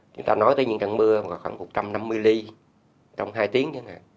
chúng ta nói tới những trận mưa khoảng một trăm năm mươi mm trong hai tiếng như thế này